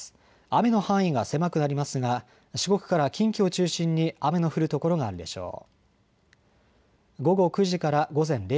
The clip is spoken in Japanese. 雨の範囲が狭くなりますが四国から近畿を中心に雨の降る所があるでしょう。